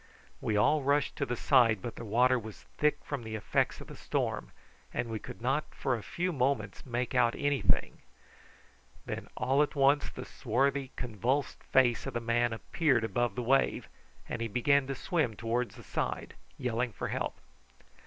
We all rushed to the side, but the water was thick from the effects of the storm, and we could not for a few moments make out anything. Then all at once the swarthy, convulsed face of the man appeared above the wave, and he began to swim towards the side, yelling for help.